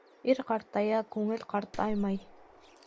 Ир ҡартая, күңел ҡартаймай.